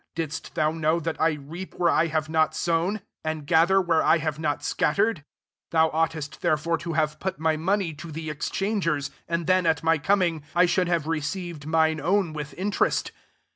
Didst mou know that I reap where I have not sown, and gather where I hare MATTHEW XXVI. not Bcattered ? £r Thou ovght est therefore to have put my money to the exchangers ; and iJken, at my coming, I should have received mine own with Interest.